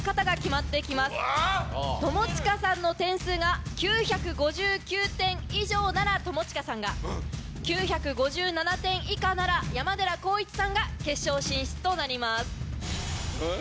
友近さんの点数が９５９点以上なら友近さんが９５７点以下なら山寺宏一さんが決勝進出となります。